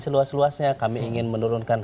seluas luasnya kami ingin menurunkan